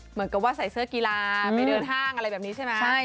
เหมือนกับว่าใส่เสื้อกีฬาไปเดินห้างอะไรแบบนี้ใช่ไหม